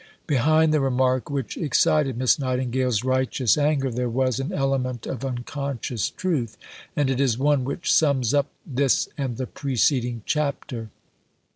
Behind the remark which excited Miss Nightingale's righteous anger there was an element of unconscious truth, and it is one which sums up this and the preceding chapter.